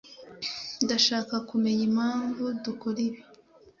Ndashaka kumenya impamvu dukora ibi.